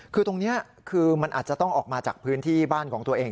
คือตรงนี้คือมันอาจจะต้องออกมาจากพื้นที่บ้านของตัวเอง